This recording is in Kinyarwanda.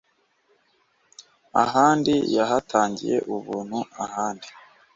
Ahandi yahatangiye ubuntu ahandi